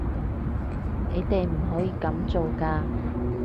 你哋唔可以噉做㗎